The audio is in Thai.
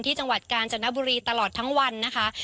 จังหวัดกาญจนบุรีตลอดทั้งวันนะคะ